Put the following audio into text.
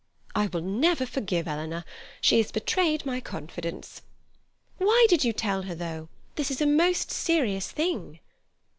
"I will never forgive Eleanor. She has betrayed my confidence." "Why did you tell her, though? This is a most serious thing."